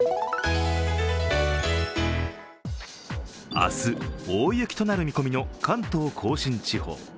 明日、大雪となる見込みの関東甲信地方。